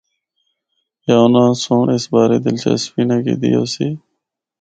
یا اُنّاں سنڑ اس بارے دلچسپی نہ گدی ہوسی۔